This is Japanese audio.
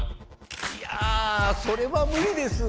いやぁそれはムリです。